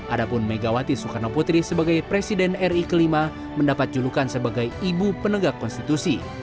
adapun megawati soekarno putri sebagai presiden ri ke lima mendapat julukan sebagai ibu penegak konstitusi